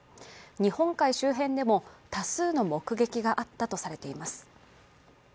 日本海周辺でも多数の目撃があったとされています。